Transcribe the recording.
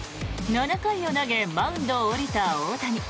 ７回を投げマウンドを降りた大谷。